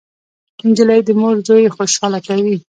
نجلۍ د مور زوی خوشحاله کوي.